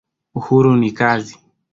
Uhuru ni kazi.